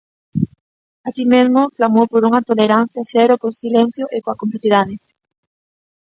Así mesmo, clamou por unha "tolerancia cero co silencio e coa complicidade".